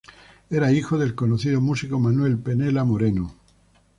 Era hijo del conocido músico Manuel Penella Moreno.